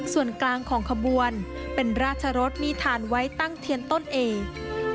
ส่วนกลางของขบวนเป็นราชรสมีฐานไว้ตั้งเทียนต้นเอก